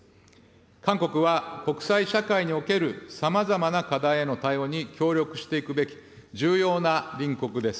韓国は、国際社会におけるさまざまな課題への対応に協力していくべき重要な隣国です。